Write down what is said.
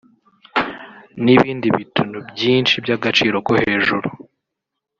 n’ibindi bitnu byinshi by’agaciro ko hejuru